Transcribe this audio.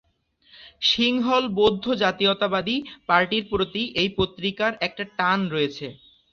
সিংহল বৌদ্ধ জাতীয়তাবাদী পার্টির প্রতি এই পত্রিকার একটা টান রয়েছে।